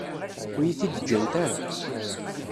Ur iyi-t-id-ǧǧant ara.